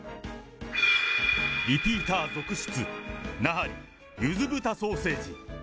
リピーター続出、奈半利ゆず豚ソーセージ。